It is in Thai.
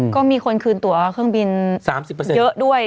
ก็มีคนคืนตัวเครื่องบิน๓๐เยอะด้วย